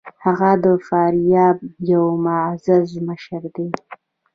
هغه د فاریاب یو معزز مشر دی.